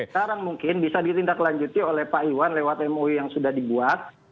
sekarang mungkin bisa ditindaklanjuti oleh pak iwan lewat mou yang sudah dibuat